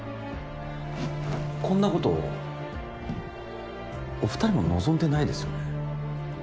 こんなことお２人も望んでないですよね？